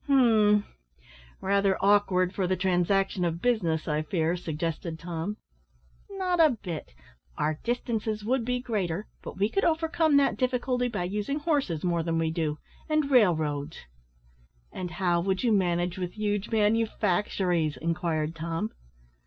"Hum, rather awkward for the transaction of business, I fear," suggested Tom. "Not a bit; our distances would be greater, but we could overcome that difficulty by using horses more than we do and railroads." "And how would you manage with huge manufactories?" inquired Tom.